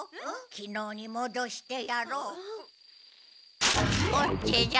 きのうにもどしてやろう。こっちじゃ。